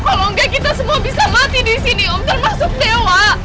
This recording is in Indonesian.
kalau enggak kita semua bisa mati di sini om termasuk dewa